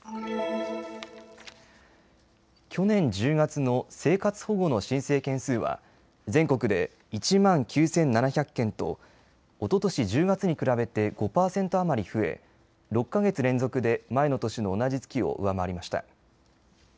去年１０月の生活保護の申請件数は全国で１万９７００件とおととし１０月に比べて５％余り増え６か月連続で前の年の同じ月を上回りました。